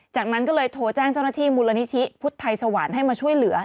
จากนั้นก็เลยโทรแจ้งเจ้าหน้าที่มูลนิธิพุทธไทยสวรรค์ให้มาช่วยเหลือ